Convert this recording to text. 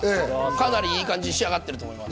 かなりいい感じに仕上がっていると思います。